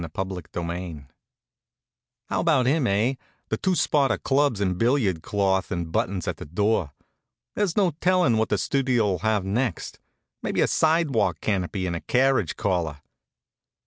CHAPTER IX How about him, eh? the two spot of clubs in billiard cloth and buttons at the door. There's no tellin' what the Studio'll have next maybe a sidewalk canopy and a carriage caller.